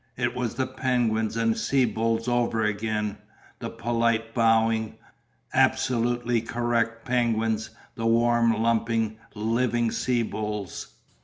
It was the penguins and sea bulls over again, the polite, bowing, absolutely correct penguins, the warm lumping, living sea bulls.